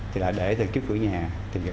thì lại để từ trước cửa nhà